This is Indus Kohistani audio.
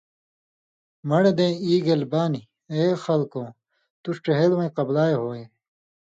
من٘ڈہۡ دېں ای گېل بانیۡ:”(اے خلکؤں:) تُس ڇِہېلوَیں قبلائ ہوے!